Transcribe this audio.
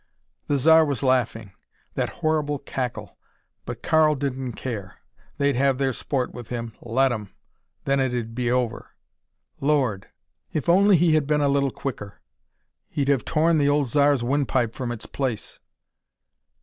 The Zar was laughing. That horrible cackle. But Karl didn't care. They'd have their sport with him. Let 'em! Then it'd be over. Lord! If only he had been a little quicker. He'd have torn the old Zar's windpipe from its place!